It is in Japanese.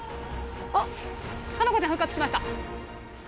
あっ佳菜子ちゃん復活しました。